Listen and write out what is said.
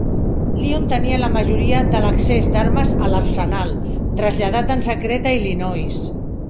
Lyon tenia la majoria de l'excés d'armes a l'arsenal, traslladat en secret a Illinois.